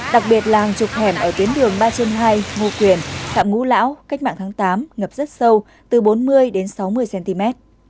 đặc biệt là trục hẻm ở tuyến đường ba trên hai ngô quyền phạm ngũ lão cách mạng tháng tám ngập rất sâu từ bốn mươi đến sáu mươi cm